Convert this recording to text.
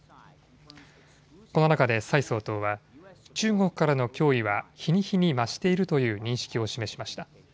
この中で蔡総統は中国からの脅威は日に日に増しているという認識を示しました。